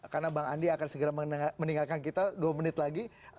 karena bang andi akan segera meninggalkan kita dua menit lagi